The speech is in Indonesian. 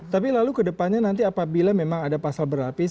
tapi lalu kedepannya nanti apabila memang ada pasal berlapis